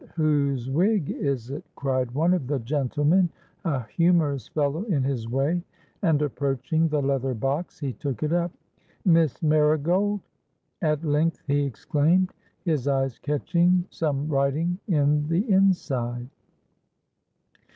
—'But whose wig is it?' cried one of the gentlemen, a humorous fellow in his way; and, approaching the leather box, he took it up. 'MISS MARIGOLD!' at length he exclaimed, his eyes catching some writing in the inside.